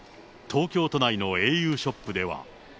東京都内のａｕショップでは。